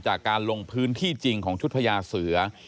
จากการลงพื้นที่จริงของชุดพญาเสือ